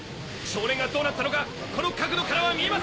少年がどうなったのかこの角度からは見えません！